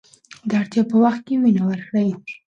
د اړتیا په وخت کې وینه ورکړئ.